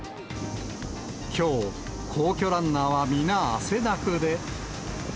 きょう、皇居ランナーは皆、汗だくで。